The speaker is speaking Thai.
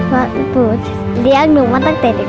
เพราะปุ๋เรียกหนูมาตั้งแต่เด็ก